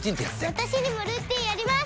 私にもルーティンあります！